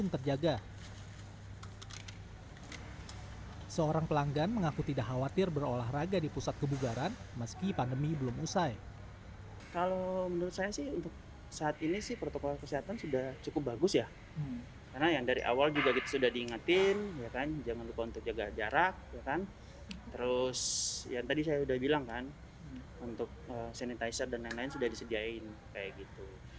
terus yang tadi saya sudah bilang kan untuk sanitizer dan lain lain sudah disediakan